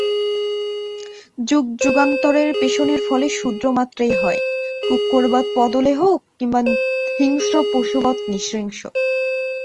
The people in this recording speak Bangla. যুগযুগান্তরের পেষণের ফলে শূদ্রমাত্রেই হয় কুক্কুরবৎ পদলেহক, নতুবা হিংস্র-পশুবৎ নৃশংস।